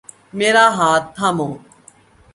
میرا ہاتھ تھامو۔